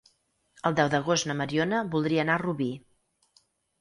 El deu d'agost na Mariona voldria anar a Rubí.